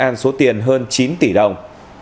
đại an số tiền hơn chín tỷ đồng